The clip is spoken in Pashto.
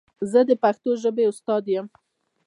زه د پښتو ژبې استاد یم.